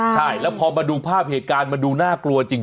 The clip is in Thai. ใช่แล้วพอมาดูภาพเหตุการณ์มันดูน่ากลัวจริง